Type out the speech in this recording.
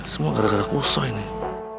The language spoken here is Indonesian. semua gara gara kusai nih